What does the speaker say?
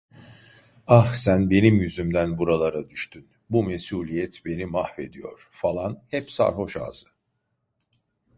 Ah, sen benim yüzümden buralara düştün. Bu mesuliyet beni mahvediyor! falan, hep sarhoş ağzı.